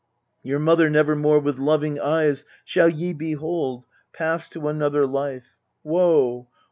Your mother never more with loving eyes Shall ye behold, passed to another life. Woe